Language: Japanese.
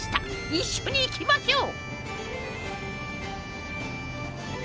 一緒に行きましょう！